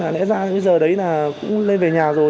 lẽ ra bây giờ đấy là cũng lên về nhà rồi